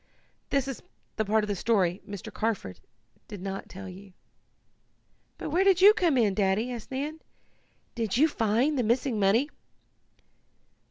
That is the part of the story Mr. Carford did not tell you." "But where do you come in, Daddy?" asked Nan. "Did you find the missing money?"